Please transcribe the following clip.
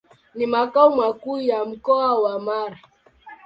Ni makao makuu ya Mkoa wa Mara.